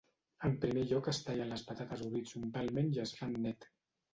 En primer lloc es tallen les patates horitzontalment i es fan net.